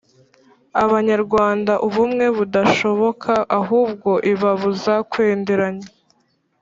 abanyarwanda ubumwe budashoboka ahubwo ibabuza kwenderanya